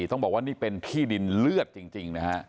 ต้องบอกว่านี่เป็นที่ดินเลือดจริงนะฮะ